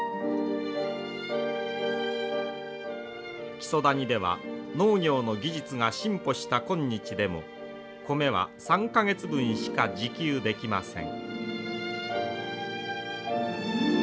木曽谷では農業の技術が進歩した今日でも米は３か月分しか自給できません。